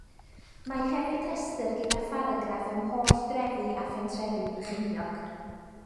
Mae hefyd restr gyda pharagraff am holl drefi a phentrefi Brycheiniog.